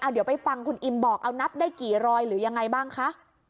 เดี๋ยวไปฟังคุณอิมบอกเอานับได้กี่รอยหรือยังไงบ้างคะ